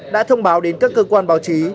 đã thông báo đến các cơ quan báo chí